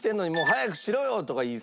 早くしろよ